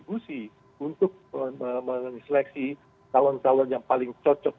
untuk mengeleksi calon calon yang paling cocok